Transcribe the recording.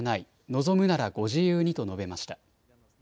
望むならご自由にと述べました。